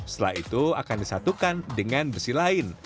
setelah itu akan disatukan dengan besi lain